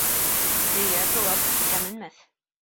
Дөйә тулап күккә менмәҫ.